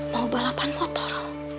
mau balapan motor